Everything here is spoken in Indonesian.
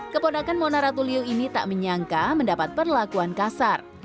kepodakan mona ratuliu ini tak menyangka mendapat perlakuan kasar